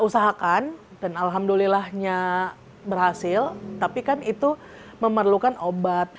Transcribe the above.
usahakan dan alhamdulillahnya berhasil tapi kan itu memerlukan obat